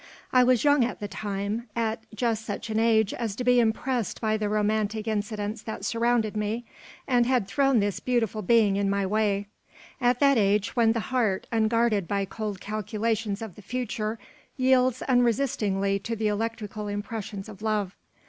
I was young at the time; at just such an age as to be impressed by the romantic incidents that surrounded me, and had thrown this beautiful being in my way; at that age when the heart, unguarded by cold calculations of the future, yields unresistingly to the electrical impressions of love.